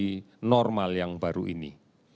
di normal yang baru ini